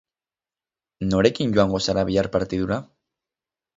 Norekin joango zara bihar partidura?